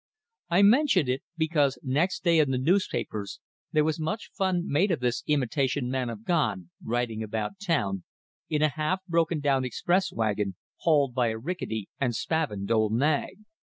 I mention it, because next day in the newspapers there was much fun made of this imitation man of God riding about town in a half broken down express wagon, hauled by a rickety and spavined old nag.